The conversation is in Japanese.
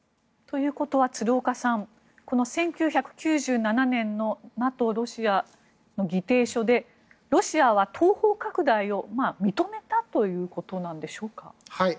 ということは鶴岡さんこの１９９７年のＮＡＴＯ、ロシアの議定書でロシアは東方拡大を認めたということなんでしょうか。